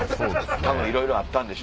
いろいろあったんでしょ